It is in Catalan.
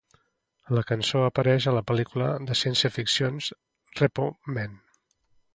La cançó apareix a la pel·lícula de ciència-ficció Repo Men.